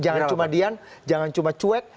jangan cuma dian jangan cuma cuek